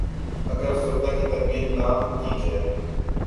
ا گر افراد کی تربیت نہ کی جائے